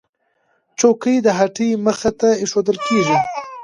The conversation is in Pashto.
چوکۍ د هټۍ مخې ته ایښودل کېږي.